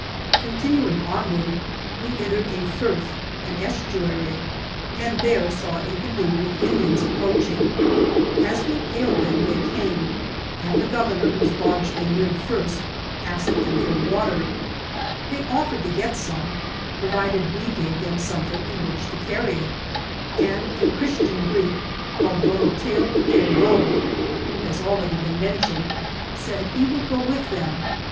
Continuing onward, we entered a firth and there saw a canoe with Indians ap proaching. As we hailed them they came, and the Governor, whose barge they neared first, asked them for water. They offered to get some, provided we gave them something in which to carry it, and a Christian Greek, called Doroteo Teodoro (who has already been mentioned), said he 46 ALVAR NUNEZ CABEZA DE VACA would go with them.